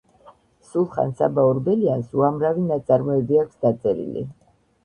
სულხან-საბა ორბელიანს უამრავი ნაწარმოები აქვს დაწერილი